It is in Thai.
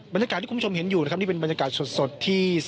บรรยากาศที่คุณผู้ชมเห็นอยู่นะครับนี่เป็นบรรยากาศสดที่